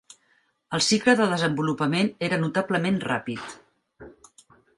El cicle de desenvolupament era notablement ràpid.